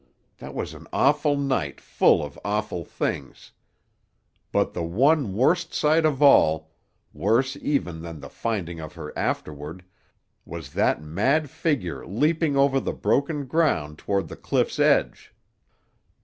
That was an awful night full of awful things. But the one worst sight of all—worse, even, than the finding of her afterward—was that mad figure leaping over the broken ground toward the cliff's edge.